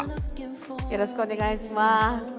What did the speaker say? よろしくお願いします。